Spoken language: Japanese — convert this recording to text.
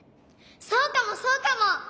そうかもそうかも！